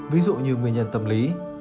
ví dụ như nguyên nhân tâm lý